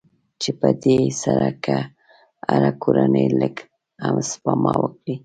چې په دې سره که هره کورنۍ لږ هم سپما وکړي.